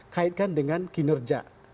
kaitkan dengan kinerja